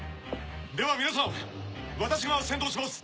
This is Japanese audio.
では皆さん私が先導します